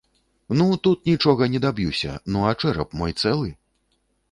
Ну, тут нічога не даб'юся, ну, а чэрап мой цэлы?